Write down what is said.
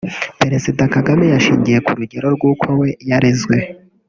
Perezida Kagame yashingiye ku rugero rw’uko we yarezwe